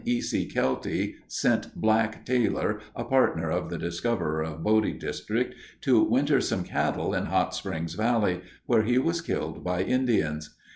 C. Kelty sent "Black" Taylor, a partner of the discoverer of Bodie District, to winter some cattle in Hot Springs Valley, where he was killed by Indians.